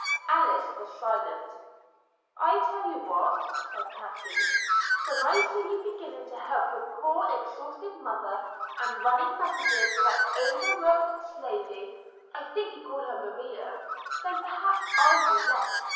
Alice was silent. "I tell you what," said Kathleen. "When I see you beginning to help your poor, exhausted mother, and running messages for that overworked slavey I think you call her Maria then perhaps I'll do less.